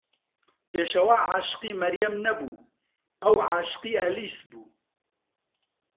پێشەوا عاشقی مەریەم نەبوو، ئەو عاشقی ئەلیس بوو.